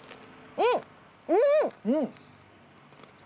うん。